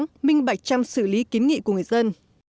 và minh bạch chăm xử lý kiến nghị của người dân